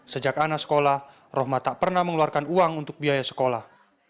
sejak ana sekolah rohma tak pernah mengeluarkan uang untuk biaya sekolah